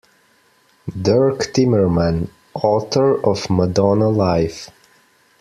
Dirk Timmerman, author of Madonna Live!